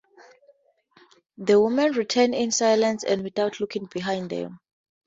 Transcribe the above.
The women return in silence and without looking behind them.